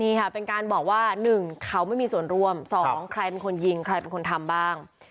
นี่ค่ะเป็นการบอกว่า๑เขาไม่มีส่วนร่วม๒ใครเป็นคนยิงใครเป็นคนทำบ้าง